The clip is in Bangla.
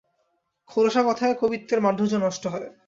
খোলসা কথায় কবিত্বের মাধুর্য নষ্ট হয়।